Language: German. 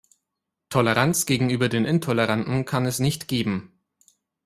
Toleranz gegenüber den Intoleranten kann es nicht geben.